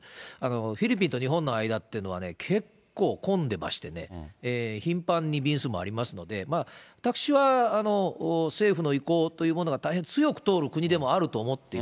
フィリピンと日本の間ってのは、結構混んでましてね、頻繁に便数もありますので、私は政府の意向というものが大変強く通る国でもあると思っており